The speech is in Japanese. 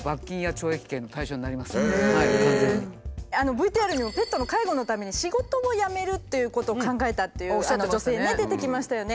ＶＴＲにもペットの介護のために仕事を辞めるっていうことを考えたという女性ね出てきましたよね。